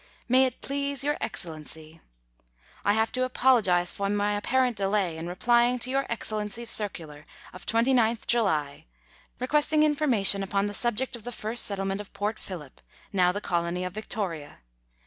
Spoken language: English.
MAY IT PLEASE YOUR EXCELLENCY, I have to apologize for my apparent delay in replying to Your Excellency's circular of 29th July, requesting information upon the subject of the first settlement of Port Phillip (now the colony of Victoria).